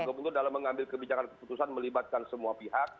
gubernur dalam mengambil kebijakan keputusan melibatkan semua pihak